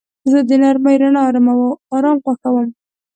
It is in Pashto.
زه د نرمې رڼا آرام خوښوم.